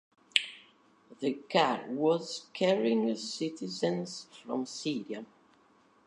The car was carrying citizens from Syria.